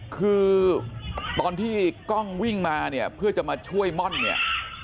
คือตอนที่กล้องวิ่งมาเนี่ยเพื่อจะมาช่วยม่อนเนี่ย